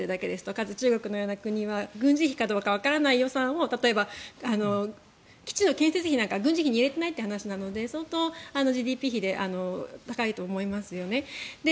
かつ中国のような国は軍事費かどうかわからないような予算を例えば基地の建設費なんか軍事費に入れてないという話なので相当、ＧＤＰ比で高いと思いますよね。